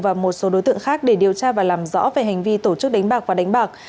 và một số đối tượng khác để điều tra và làm rõ về hành vi tổ chức đánh bạc và đánh bạc